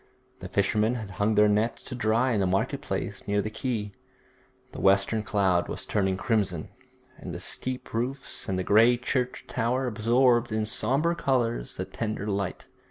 The fishermen had hung their nets to dry in the market place near the quay. The western cloud was turning crimson, and the steep roofs and grey church tower absorbed in sombre colours the tender light.